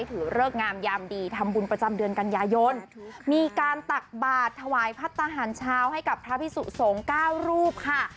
เริกงามยามดีทำบุญประจำเดือนกันยายนมีการตักบาทถวายพัฒนาหารเช้าให้กับพระพิสุสงฆ์เก้ารูปค่ะ